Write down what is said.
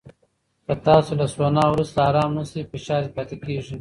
که تاسو له سونا وروسته ارام نه شئ، فشار پاتې کېږي.